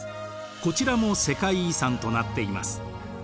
こちらも世界遺産となっています。